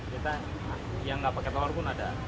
kita yang gak pake telur pun ada